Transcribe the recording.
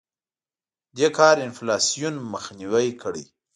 دې کار انفلاسیون مخنیوی کړی.